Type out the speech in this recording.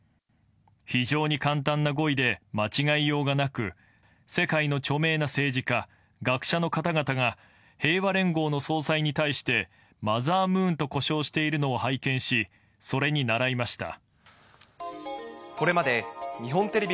非常に簡単な語彙で間違いようがなく、世界の著名な政治家、学者の方々が平和連合の総裁に対して、マザームーンと呼称しているのを拝見し、それに倣いました。